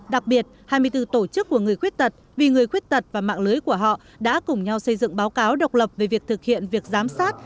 đặc biệt hai mươi bốn tổ chức của người khuyết tật vì người khuyết tật và mạng lưới của họ đã cùng nhau xây dựng báo cáo độc lập về việc thực hiện việc giám sát